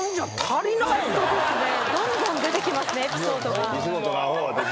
どんどん出てきますねエピソードが。